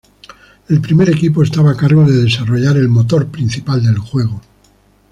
El primer equipo estaba a cargo de desarrollar el motor principal del juego.